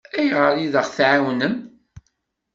Ayɣer i d-aɣ-tɛawnem?